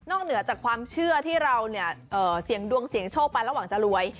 เหนือจากความเชื่อที่เราเนี่ยเสี่ยงดวงเสี่ยงโชคไประหว่างจะรวย